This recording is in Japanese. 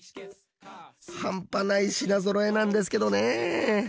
半端ない品ぞろえなんですけどね！